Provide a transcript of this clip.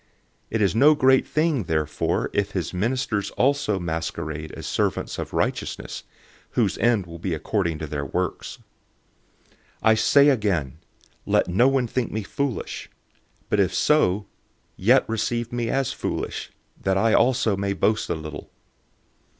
011:015 It is no great thing therefore if his servants also masquerade as servants of righteousness, whose end will be according to their works. 011:016 I say again, let no one think me foolish. But if so, yet receive me as foolish, that I also may boast a little.